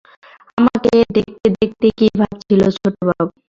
আমাকে দেখতে দেখতে কী ভাবছিল ছোটবাবু?